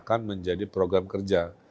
terjemahkan menjadi program kerja